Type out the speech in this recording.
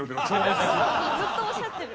ずっとおっしゃってる。